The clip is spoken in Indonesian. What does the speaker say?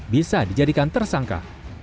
bisa dijadikan tersangka